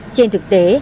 trên thực tế